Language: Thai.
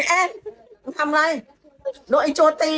ไอ้แอ้นทำไรโดนไอ้โจติหรอ